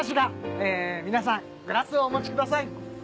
え皆さんグラスをお持ちください。